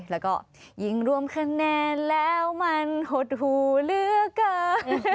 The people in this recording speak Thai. ถึงรวมคะแนนแล้วมันหดผงเหลือใจ